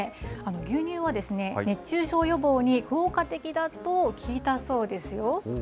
牛乳は熱中症予防に効果的だと聞いたそうですよ。